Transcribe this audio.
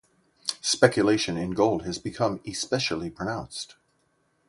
Speculation in gold became especially pronounced.